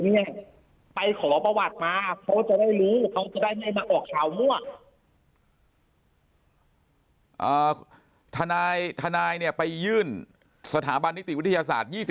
เขาจะได้ไม่มาออกข่าวมั่วทนายทนายเนี่ยไปยื่นสถาบันนิติวิทยาศาสตร์